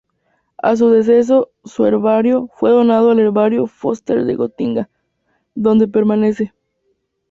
A su deceso, su herbario fue donado al Herbario Foster de Gotinga, donde permanece.